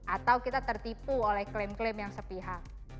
atau kita tertipu oleh klaim klaim yang sepihak